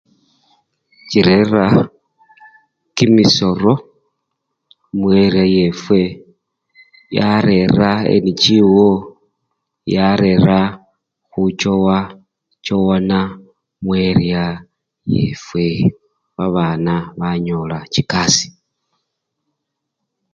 Chirerab kimisoro, muaria yefwe, yarera NGO yarera khuchowachowana nuaria yefwe babana banyola chikasii.